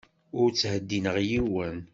Ur ttheddineɣ yiwen.